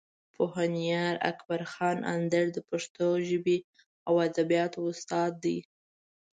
پوهنیار اکبر خان اندړ د پښتو ژبې او ادبیاتو استاد دی.